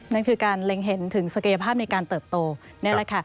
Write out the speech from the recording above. นั่นคือการเล็งเห็นถึงศักยภาพในการเติบโตนี่แหละค่ะ